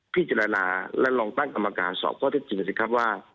พิจารณาและลองตั้งอำการสอบพ่อเทศจิมิตรสิครับว่า